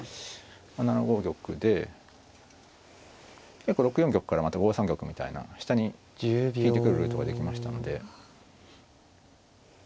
７五玉で６四玉からまた５三玉みたいな下に引いてくるルートができましたので。